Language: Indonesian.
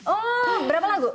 oh berapa lagu